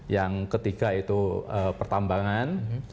yang ketiga itu pertambangan